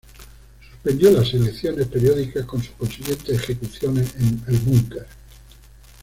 Suspendió las selecciones periódicas con sus consiguientes ejecuciones en el búnker.